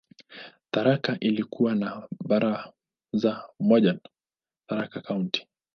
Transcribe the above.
Tharaka ilikuwa na baraza moja tu, "Tharaka County".